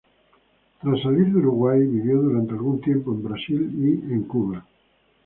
Tras salir de Uruguay, vivió durante algún tiempo en Brasil y en Cuba.